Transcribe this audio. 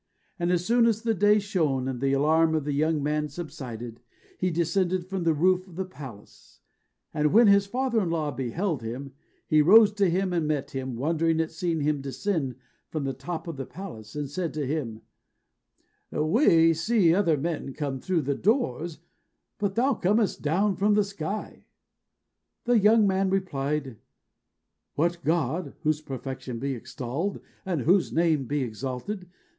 And as soon as the day shone, and the alarm of the young man subsided, he descended from the roof of the palace; and when his father in law beheld him, he rose to him and met him, wondering at seeing him descend from the top of the palace, and he said to him, "We see other men come through the doors, but thou comest down from the sky." The young man replied, "What God (whose perfection be extolled, and whose name be exalted!)